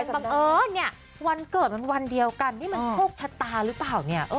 แถมจำนั้นวันเกิดมันวันเดียวกันนี่มันโทกชะตาหรือเปล่างี้